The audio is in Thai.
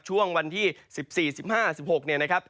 ช่วงวันที่๑๔๑๕๑๖เนี่ยนะครับ